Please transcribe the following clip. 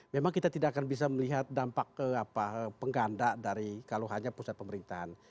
memang kita tidak akan bisa melihat dampak pengganda dari kalau hanya pusat pemerintahan